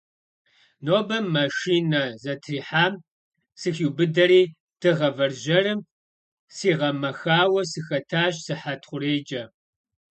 Нобэ машинэ зэтрихьам сыхиубыдэри, дыгъэ вэржьэрым сигъэмэхауэ сыхэтащ сыхьэт хъурейкӏэ.